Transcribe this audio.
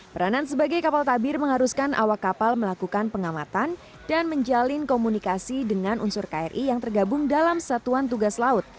peranan sebagai kapal tabir mengharuskan awak kapal melakukan pengamatan dan menjalin komunikasi dengan unsur kri yang tergabung dalam satuan tugas laut